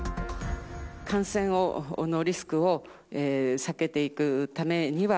感染のリスクを避けていくためには、